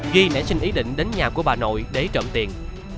duy nể xin ý định đến nhà của bà nội để trộm tiền